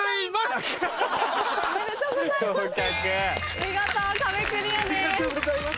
見事壁クリアです。